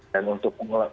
dan untuk masyarakat lain